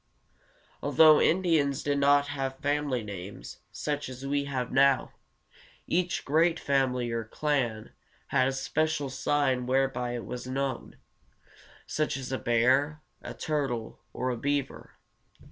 Although Indians did not have family names, such as we have now, each great family, or clan, had a special sign whereby it was known, such as a bear, a turtle, or a beaver.